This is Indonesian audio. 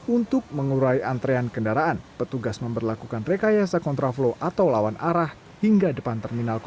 untuk mengurai antrean kendaraan petugas memperlakukan rekayasa kontraflow atau lawan arah hingga depan terminal